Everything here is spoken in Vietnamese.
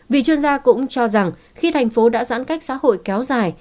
vì chuyên gia cũng cho rằng khi thành phố đã giãn cách xã hội kéo dài